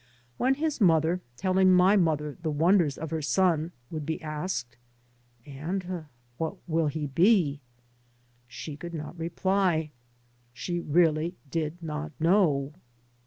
When his mother, telling my mother the wonders of her son, would be asked, " And what will he be? " she could not reply. She really did not know.